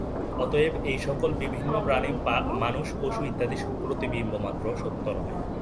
অতএব এই-সকল বিভিন্ন প্রাণী, মানুষ, পশু ইত্যাদি প্রতিবিম্ব মাত্র, সত্য নয়।